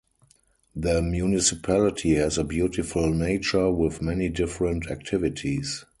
The municipality has a beautiful nature with many different activities.